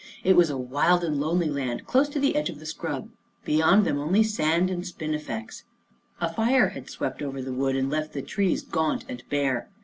It was a wild and lonely land, close to the edge of the scrub, beyond them only sand and spini fex. A fire had swept over the wood and left the trees gaunt and bare.